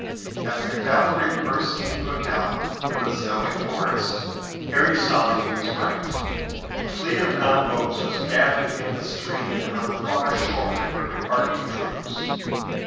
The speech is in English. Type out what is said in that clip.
As the cavalry burst into a gallop from the snowy forest Harry saw that he was right. A fleet of gunboats was gathered in the stream and on the far shore they were embarking troops.